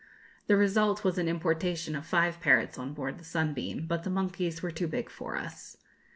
The result was an importation of five parrots on board the 'Sunbeam;' but the monkeys were too big for us.